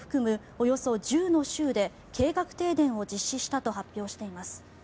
およそ１０の州で計画停電を実施したと発表しています。